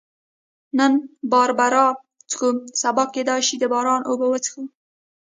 نن باربرا څښو، سبا کېدای شي د باران اوبه وڅښو.